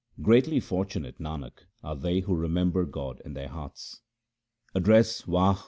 Greatly fortunate, Nanak, are they who remember God in their hearts. Address Wah